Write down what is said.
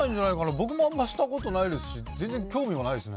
僕もあんましたことないですし、全然興味もないですね。